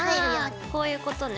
あこういうことね。